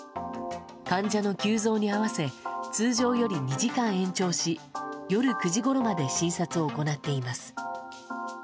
患者の急増に合わせ、通常より２時間延長し、夜９時ごろまで診察を行っています。